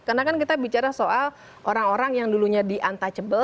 karena kan kita bicara soal orang orang yang dulunya di untouchable